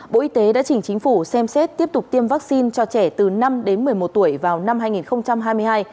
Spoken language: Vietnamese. bộ y tế đã chỉnh chính phủ xem xét tiếp tục tiêm vaccine cho trẻ từ năm đến một mươi một tuổi vào năm hai nghìn hai mươi hai